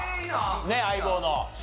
『相棒』の。